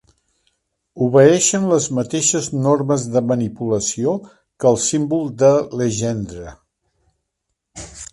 Obeeixen les mateixes normes de manipulació que el símbol de Legendre.